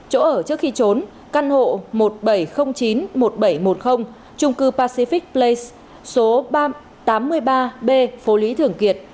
chỗ ở trước khi trốn căn hộ một bảy không chín một bảy một không trung cư pacific place số tám mươi ba b phố lý thường kiệt